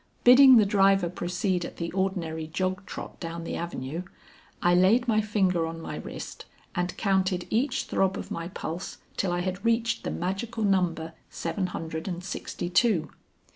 Bidding the driver proceed at the ordinary jog trot down the avenue, I laid my finger on my wrist, and counted each throb of my pulse till I had reached the magical number seven hundred and sixty two.